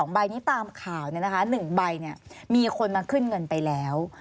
๑ใบนี้มีคนมาขึ้นเงินไปแล้ว